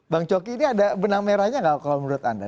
bang coki ini ada benang merahnya nggak kalau menurut anda